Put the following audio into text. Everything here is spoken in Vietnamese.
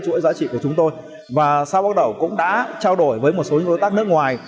chuỗi giá trị của chúng tôi và sau bắt đầu cũng đã trao đổi với một số đối tác nước ngoài